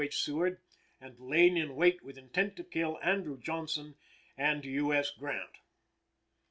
H. Seward, and lain in wait with intent to kill Andrew Johnson and U. S. Grant.